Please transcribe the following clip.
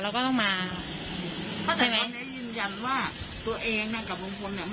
เราก็ต้องมาเพราะฉะนั้นตอนนี้ยืนยันว่าตัวเองน่ะกับบุญพ้นเนี่ย